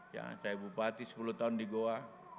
ya saya bupati sepuluh tahun di goa